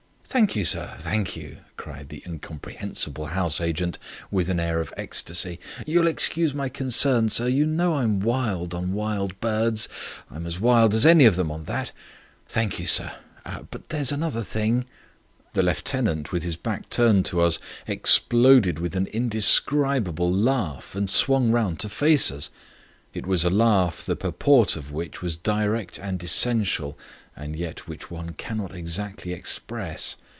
"Thank you, sir, thank you," cried the incomprehensible house agent, with an air of ecstasy. "You'll excuse my concern, sir. You know I'm wild on wild animals. I'm as wild as any of them on that. Thank you, sir. But there's another thing..." The lieutenant, with his back turned to us, exploded with an indescribable laugh and swung round to face us. It was a laugh, the purport of which was direct and essential, and yet which one cannot exactly express.